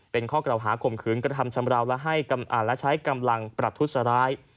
เป็นข้อกล่าวหาข่มขืนกระทำชำราวและให้กำอ่านและใช้กำลังปรับทุษย์ร้าย